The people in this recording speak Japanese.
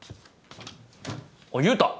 あっ優太。